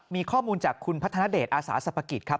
มีข้อมูลจากคุณพัฒนาเดชอาสาสรรปกิจครับ